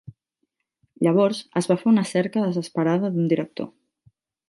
Llavors, es va fer una cerca desesperada d"un director.